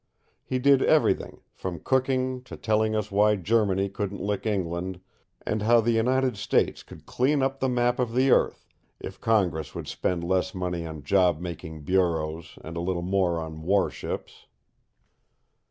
He did everything, from cooking to telling us why Germany couldn't lick England, and how the United States could clean up the map of the earth if Congress would spend less money on job making bureaus and a little more on war ships.